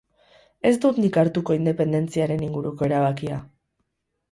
Ez dut nik hartuko independentziaren inguruko erabakia.